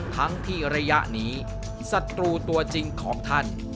ทั้งที่ระยะนี้ศัตรูตัวจริงของท่าน